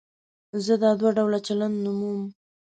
زه دا دوه ډوله چلند نوموم.